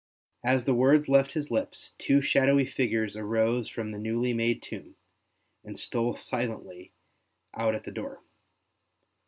As the words left his lips, two shadowy figures arose from the newly made tomb, and stole silently out at the door.